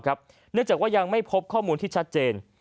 เนื่องจากว่ายังไม่พบข้อมูลที่ชัดเจน